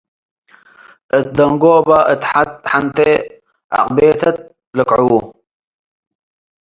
እት ደንጎበ እት ሐንቴ ዐቅቤተት ልክዕዉ ።